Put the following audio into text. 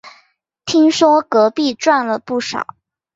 听说隔壁赚了不少